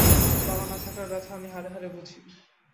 বাবা না থাকার ব্যাথা আমি হাড়ে হাড়ে বুঝি।